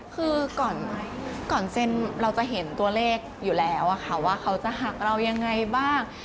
คือก่อนเซ็นเราจะเห็นตัวเลขอยู่แล้วค่ะว่าเขาจะหักเรายังไงบ้าง